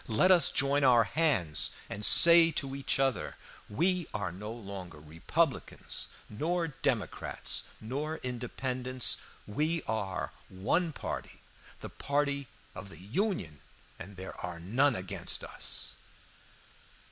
Let us join our hands and say to each other, 'We are no longer Republicans, nor Democrats, nor Independents we are one party, the party of the Union, and there are none against us.'